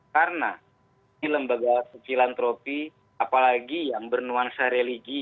karena ini lembaga filantropi apalagi yang bernuansa religi